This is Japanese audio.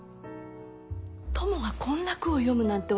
トモがこんな句を詠むなんて